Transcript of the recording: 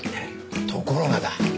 ところがだ